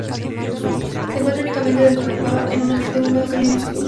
Se encuentra únicamente dentro de cueva, en un ambiente húmedo, cálido y oscuro.